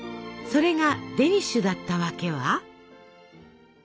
それがデニッシュだったわけは？